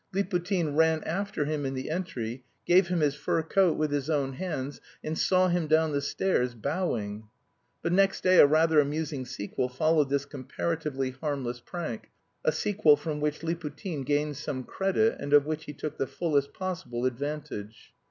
Liputin ran after him in the entry, gave him his fur coat with his own hands, and saw him down the stairs, bowing. But next day a rather amusing sequel followed this comparatively harmless prank a sequel from which Liputin gained some credit, and of which he took the fullest possible advantage.